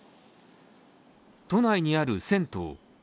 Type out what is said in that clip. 都内にある銭湯。